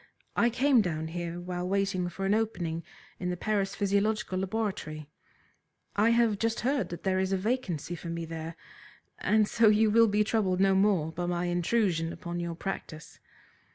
I came down here while waiting for an opening in the Paris Physiological Laboratory. I have just heard that there is a vacancy for me there, and so you will be troubled no more by my intrusion upon your practice.